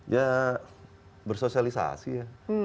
ya bersosialisasi ya